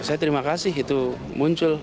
saya terima kasih itu muncul